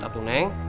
gak tuh neng